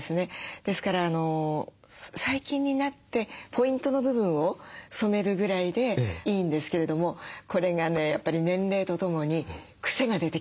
ですから最近になってポイントの部分を染めるぐらいでいいんですけれどもこれがねやっぱり年齢とともに癖が出てきたんです。